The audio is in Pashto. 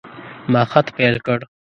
ما خط پیل کړ.